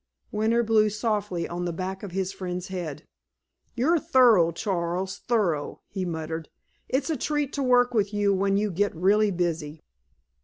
Winter blew softly on the back of his friend's head. "You're thorough, Charles, thorough!" he murmured. "It's a treat to work with you when you get really busy."